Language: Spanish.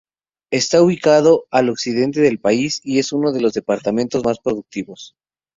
Está ubicado al occidente del país, y es uno de los departamentos más productivos.